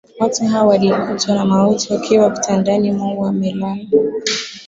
watu hao walikutwa na mauti wakiwa vitandani mwao wamelala